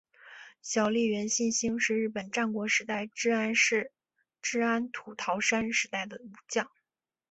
小笠原信兴是日本战国时代至安土桃山时代的武将。